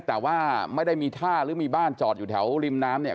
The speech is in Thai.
แต่ว่าไม่ได้มีท่าหรือมีบ้านจอดอยู่แถวริมน้ำเนี่ย